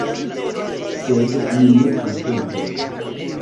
Sed mi ne konsentos.